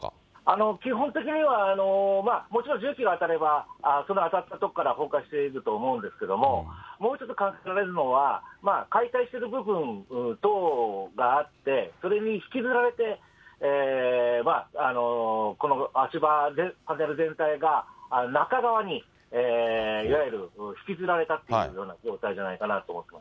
基本的には、もちろん重機が当たれば、その当たった所から崩壊していくと思うんですけれども、もう１つ考えられるのは、解体している部分等があって、それに引きずられて、この足場、パネル全体が中側に、いわゆる引きずられたっていうような状態じゃないかなと思ってます。